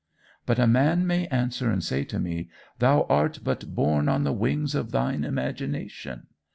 "But a man may answer and say to me 'Thou art but borne on the wings of thine imagination.